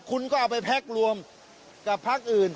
คุณก็เอาไปแพ็ครวมกับพักอื่น